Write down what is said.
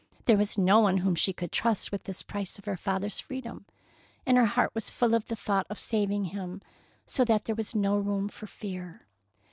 There was no one whom she could trust with this price of her father's freedom, and her heart was full of the thought of saving him, so that there was no room for fear.